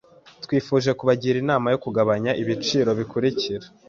Twifuje kubagira inama yo kugabanya ibiciro bikurikira.